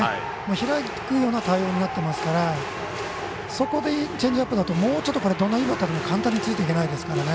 開くような対応になっていますからそこでチェンジアップだともう、バッターは簡単についていけないですからね。